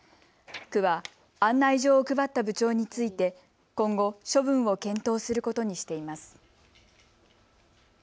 区は案内状を配って部長について今後、処分を検討することにしています。